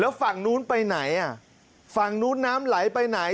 ฝั่งนู้นไปไหนอ่ะฝั่งนู้นน้ำไหลไปไหน